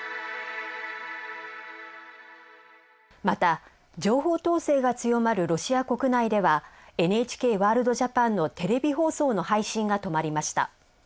また情報統制が強まるロシア国内では「ＮＨＫワールドＪＡＰＡＮ」のテレビ放送の配信が止まりました。